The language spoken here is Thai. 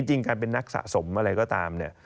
จริงการเป็นนักสะสมอะไรก็ตามเนี่ย